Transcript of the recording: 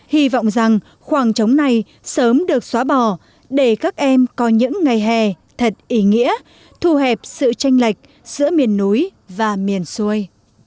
hy vọng rằng khoảng trống này sớm được xóa bỏ để các em có những ngày hè thật ý nghĩa thu hẹp sự tranh lệch giữa miền núi và miền xuôi